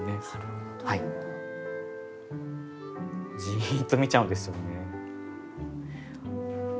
じっと見ちゃうんですよね。